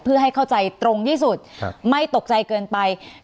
เพื่อให้เข้าใจตรงที่สุดไม่ตกใจเกินไป